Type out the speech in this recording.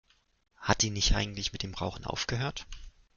Hat die nicht eigentlich mit dem Rauchen aufgehört?